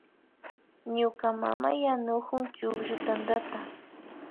Ñuka mama yanukun chukllu tantata